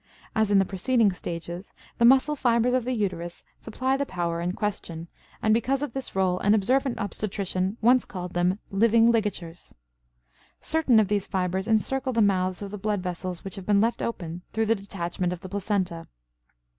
As in the preceding stages, the muscle fibers of the uterus supply the power in question, and because of this role an observant obstetrician once called them, "living ligatures." Certain of these fibers encircle the mouths of the blood vessels which have been left open through the detachment of the placenta.